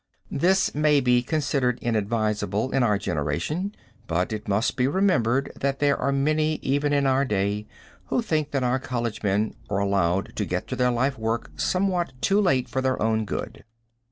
This may be considered inadvisable in our generation, but, it must be remembered that there are many even in our day, who think that our college men are allowed to get at their life work somewhat too late for their own good.